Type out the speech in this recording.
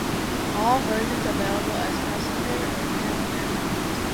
All versions available as passenger or panel van models.